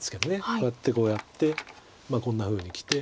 こうやってこうやってこんなふうにきて。